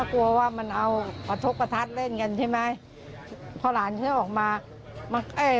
กลัวว่ามันเอากระทบประทัดเล่นกันใช่ไหมพอหลานฉันออกมามาเอ้ย